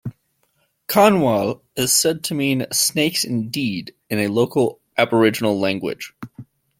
"Kanwal" is said to mean "snakes indeed" in a local Aboriginal language.